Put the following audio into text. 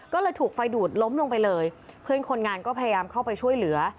ก็เลยถูกไฟดูดล้มลงไปเลยเพื่อนคนงานก็พยายามเข้าไปช่วยเหลือ